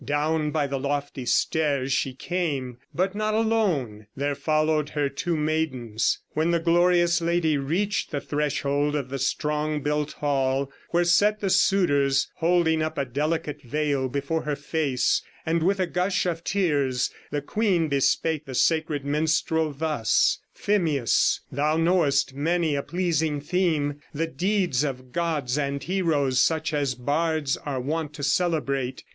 Down by the lofty stairs She came, but not alone; there followed her Two maidens. When the glorious lady reached The threshold of the strong built hall, where sat The suitors, holding up a delicate veil Before her face, and with a gush of tears, The queen bespake the sacred minstrel thus: 'Phemius, thou knowest many a pleasing theme The deeds of gods and heroes, such as bards Are wont to celebrate.